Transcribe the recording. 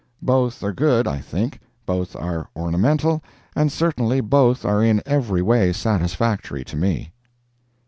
Both are good, I think, both are ornamental, and certainly both are in every way satisfactory to me.